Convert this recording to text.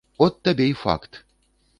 От табе й факт.